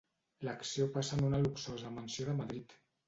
L'acció passa en una luxosa mansió de Madrid.